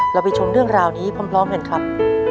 ไปชมเรื่องราวนี้พร้อมกันครับ